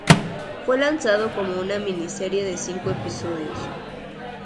Fue lanzado como una miniserie de cinco episodios.